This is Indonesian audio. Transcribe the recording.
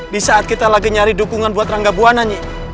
di saat kita lagi nyari dukungan buat rangga buana nih